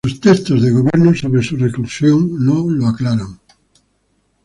Los textos de gobierno sobre su reclusión no lo aclaran.